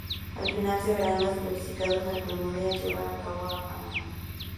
Al final se verán los clasificados al premundial llevado a cabo en Panamá.